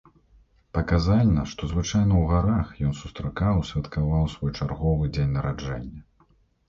Паказальна, што звычайна ў гарах ён сустракаў і святкаваў свой чарговы дзень нараджэння.